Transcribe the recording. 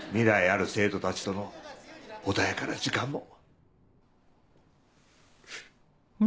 ある生徒たちとの穏やかな時間も。